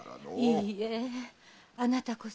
いいえあなたこそ。